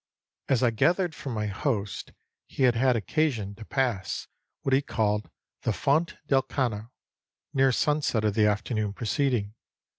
As I gathered from my host, he had had occasion to pass what he called the "Fonte del Cano" near sunset of the afternoon preceding.